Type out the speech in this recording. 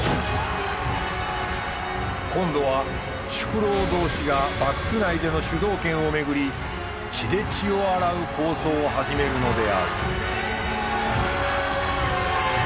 今度は宿老同士が幕府内での主導権を巡り血で血を洗う抗争を始めるのである。